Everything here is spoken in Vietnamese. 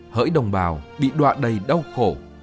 hỡi đồng bào bị đoạ đầy đau khổ